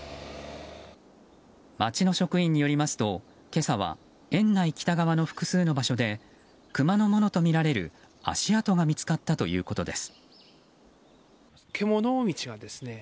町の職員によりますと今朝は園内北側の複数の場所でクマのものとみられる足跡が見つかったということです。